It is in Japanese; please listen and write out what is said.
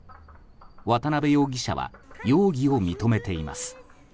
渡邊容疑者は容疑を認めています。